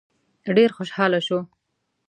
ډېر خوشاله شو.